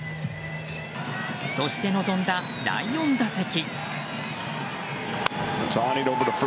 そして臨んだ第４打席。